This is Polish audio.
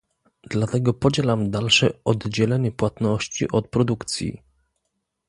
Dlatego podzielam dalsze oddzielenie płatności od produkcji